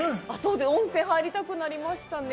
温泉入りたくなりましたね。